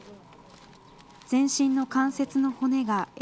全身の関節の骨がえ